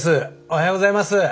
おはようございます。